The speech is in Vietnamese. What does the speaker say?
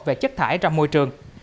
về chất thải ra môi trường